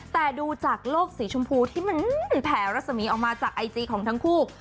แต่ดูจากโลกสีชมพูที่มันแผ่รัศมีออกมาจากไอจีของทั้งคู่